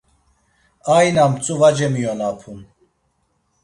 Aina mtzu var cemiyonapun.